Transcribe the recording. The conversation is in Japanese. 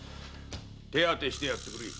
手当してやってくれ。